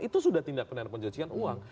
itu sudah tindak benar pencucian uang